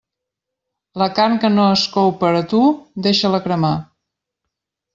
La carn que no es cou per a tu, deixa-la cremar.